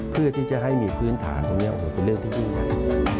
เพื่อที่จะให้มีพื้นฐานตรงนี้เป็นเรื่องที่ดีกว่านั้น